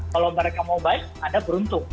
kalau mereka mau baik anda beruntung